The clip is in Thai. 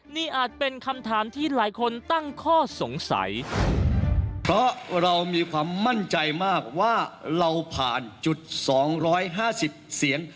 นี่อาจเป็นคำถามที่หลายคนตั้งข้อสงสัย